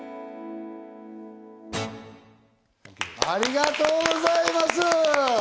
ありがとうございます。